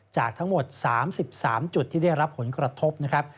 จากทั้งหมด๓๓จุดที่ได้รับผลกระทบนะครับ